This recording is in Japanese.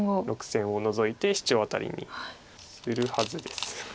６線をノゾいてシチョウアタリにするはずです。